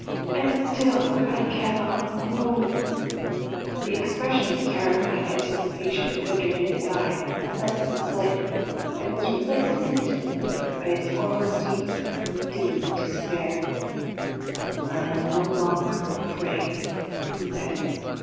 And still I cannot move!" The expression of terrified anticipation, centered in his eyes, lessened slightly, and was replaced, instantly, by its former deep, deep despair. "I am no longer afraid," he said.